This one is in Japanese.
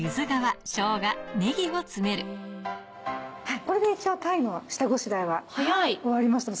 これで一応鯛の下ごしらえは終わりましたので。